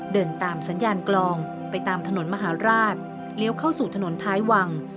เดินตามสัญญาณกลองไปตามถนนมหาราชเลี้ยวเข้าสู่ถนนท้ายวัง